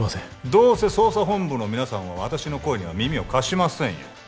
どうせ捜査本部の皆さんは私の声には耳を貸しませんよ